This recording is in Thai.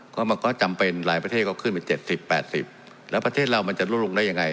ก็มันก็จำเป็นหลายประเทศก็ขึ้นไป๗๐๘๐แล้วประเทศเรามันจะลดลงได้ยังไง